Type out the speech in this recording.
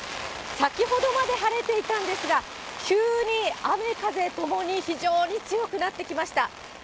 先ほどまで晴れていたんですが、急に雨風ともに非常に強くなってきました。